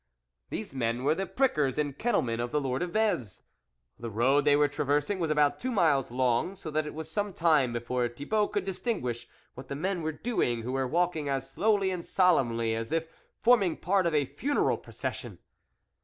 * These men were the prickers and kennelmen of the Lord of Vez. The road they were traversing was about two miles long, so that it was some time be fore Thibault could distinguish what the men were doing, who were walking as slow ly and solemnly as if forming part of a funeral procession.